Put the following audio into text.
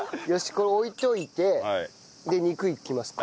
これ置いといて肉いきますか。